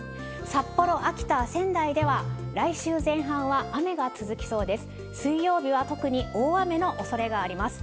札幌、秋田、仙台では、来週前半は雨が続きそうです。